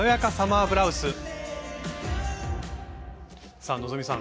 さあ希さん